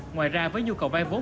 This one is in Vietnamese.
ngoài ra với nhu cầu vai vốn